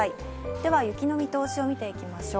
では雪の見通しを見ていきましょう。